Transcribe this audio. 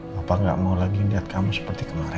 papa nggak mau lagi liat kamu seperti kemarin